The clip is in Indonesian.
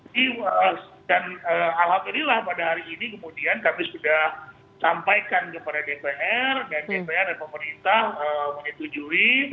dan alhamdulillah pada hari ini kemudian kami sudah sampaikan kepada dpr dan dpr dan pemerintah menetujui